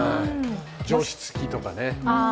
除湿機とかね。